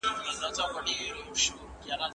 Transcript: برسونه په خونې کې په مستقیم حالت وچ کړئ.